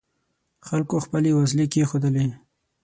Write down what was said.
خلکو خپلې وسلې کېښودلې.